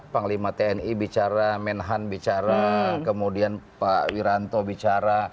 panglima tni bicara menhan bicara kemudian pak wiranto bicara